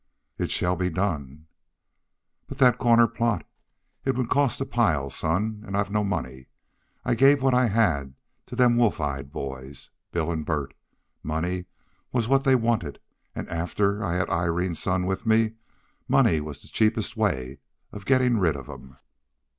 "It shall be done." "But that corner plot, it would cost a pile, son. And I've no money. I gave what I had to them wolf eyed boys, Bill an' Bert. Money was what they wanted, an' after I had Irene's son with me, money was the cheapest way of gettin' rid of 'em."